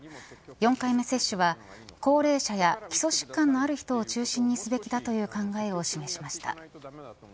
４回目接種は高齢者や基礎疾患のある人を中心にすべきだという考えを示しました。